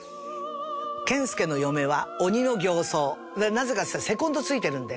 なぜかっつったらセコンドついてるので。